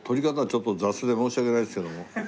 ちょっと雑で申し訳ないんですけども。